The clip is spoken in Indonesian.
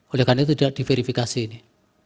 oleh karena itu tidak diverifikasi ini